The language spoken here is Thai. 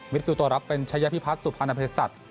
วิทธิ์ฟิลโตรับเป็นชัยภิพัฒน์สุพรรณเภสัตริย์